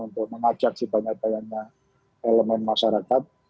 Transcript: untuk mengajak sebanyak banyaknya elemen masyarakat